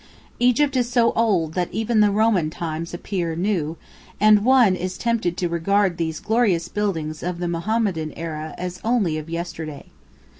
Egypt is so old that even the Roman times appear new, and one is tempted to regard these glorious buildings of the Mohammedan era as only of yesterday.